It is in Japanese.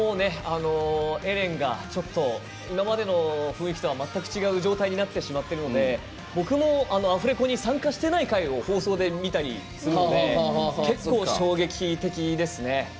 エレンが、ちょっと今までの雰囲気とは全く違う状態になってしまっているので僕も、アフレコに参加してない回を放送で見たりすると結構、衝撃的ですね。